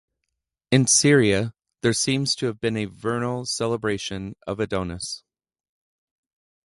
In Syria, there seems to have been a vernal celebration of Adonis.